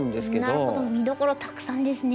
なるほど見どころたくさんですね。